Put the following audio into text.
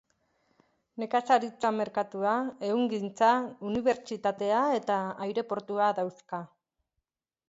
Nekazaritza-merkatua, ehungintza, unibertsitatea eta aireportua dauzka.